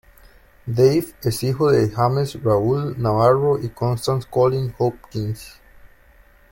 Dave es hijo de James Raul Navarro y Constance Colleen Hopkins.